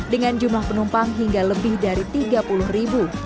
dengan jumlah penumpang hingga lebih dari tiga puluh ribu